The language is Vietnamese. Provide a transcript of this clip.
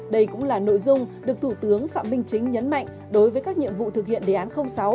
đây cũng là nội dung được thủ tướng phạm minh chính nhấn mạnh đối với các nhiệm vụ thực hiện đề án sáu